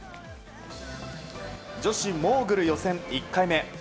女子モーグル予選１回目。